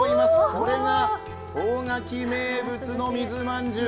これが大垣名物の水まんじゅう。